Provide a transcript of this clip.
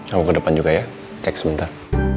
kamu ke depan juga ya cek sebentar